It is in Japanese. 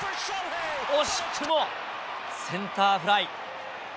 惜しくもセンターフライ。